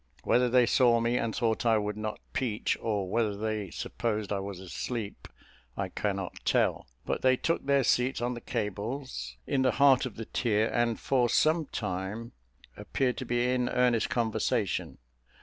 Whether they saw me, and thought I would not 'peach, or whether they supposed I was asleep, I cannot tell; but they took their seats on the cables, in the heart of the tier, and for some time appeared to be in earnest conversation.